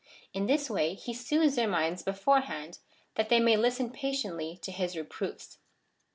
In this way he soothes their minds beforehand, that they may listen patiently to his reproofs.